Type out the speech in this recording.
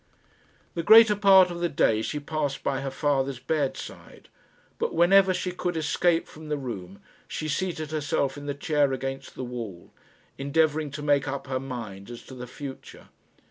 The greater part of the day she passed by her father's bedside, but whenever she could escape from the room, she seated herself in the chair against the wall, endeavouring to make up her mind as to the future.